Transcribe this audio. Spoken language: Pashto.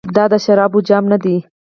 دا د شرابو جام ندی.